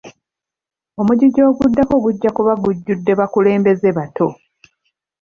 Omujiji oguddako gujja kuba gujjudde bakulembeze bato.